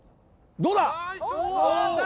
どうだ？